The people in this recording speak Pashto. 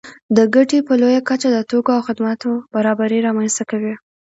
دا ګټې په لویه کچه د توکو او خدماتو برابري رامنځته کوي